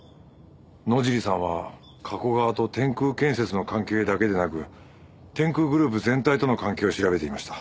野尻さんは加古川と天空建設の関係だけでなく天空グループ全体との関係を調べていました。